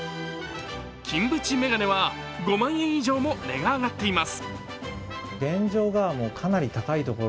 金縁眼鏡は５万円以上も値が上がっています。